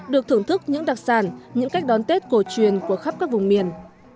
được thưởng thức những đặc sản những cách đón tết cổ truyền của khắp các vùng miền